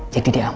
jadi dia aman